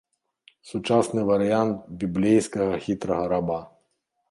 Сучасны варыянт біблейскага хітрага раба.